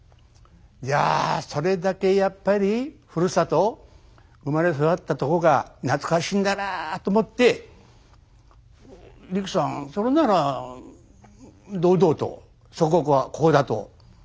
いやそれだけやっぱりふるさと生まれ育ったとこが懐かしいんだなと思ってリキさんそれなら堂々と祖国はこうだと言わないんですかと言うとね